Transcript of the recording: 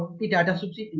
karena ada subsidi